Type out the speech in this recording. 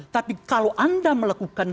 tapi kalau anda melakukan